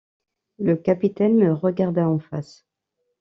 Le capitaine me regarda en face.